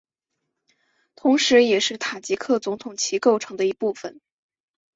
同时也是塔吉克总统旗构成的一部分